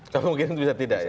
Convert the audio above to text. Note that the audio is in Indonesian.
kemungkinan bisa tidak ya